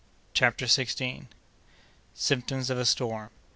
CHAPTER SIXTEENTH. Symptoms of a Storm.